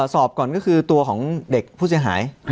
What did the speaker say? สอบก่อนก็คือตัวของเด็กผู้เสียหาย